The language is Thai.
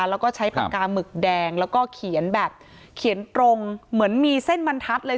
แล้วก็ใช้ปากกาหมึกแดงแล้วก็เขียนแบบเขียนตรงเหมือนมีเส้นบรรทัศน์เลย